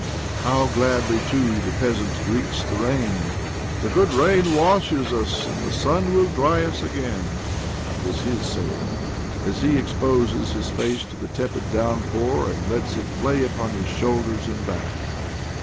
How gladly, too, the peasant greets the rain 1 " The good rain washes us, and the sun will dry us again," is his saying as he exposes his face to the tepid downpour and lets it play upon his shoulders 78 OBLOMOV and back.